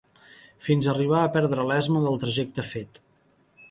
Fins arribar a perdre l'esma del trajecte fet